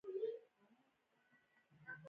سود د انساني عاطفې قاتل دی.